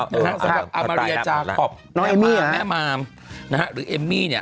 สำหรับอามาเรียจาคอปเอมมี่อย่างแม่มามนะฮะหรือเอมมี่เนี่ย